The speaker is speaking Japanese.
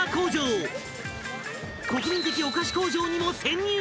［国民的お菓子工場にも潜入！］